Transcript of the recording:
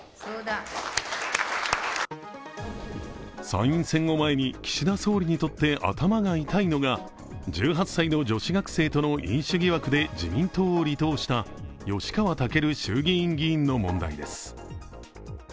参院選を前に、岸田総理にとって頭が痛いのが１８歳の女子学生との飲酒疑惑で自民党を離党した吉川赳衆議院議員の問題です。